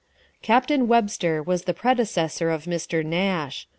Captain Webster was the predecessor of Mr. Nash.